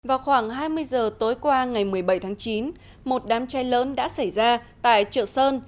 vào khoảng hai mươi giờ tối qua ngày một mươi bảy tháng chín một đám cháy lớn đã xảy ra tại chợ sơn